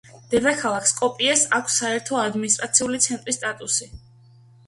დედაქალაქ სკოპიეს აქვს საერთო ადმინისტრაციული ცენტრის სტატუსი.